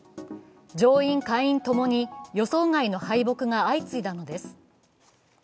上院・下院ともに予想外の敗北が相次いだのです。